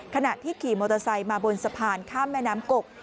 ขณะที่ขี่มอเตอร์ไซค์มาบนสะพานข้ามแม่น้ำกก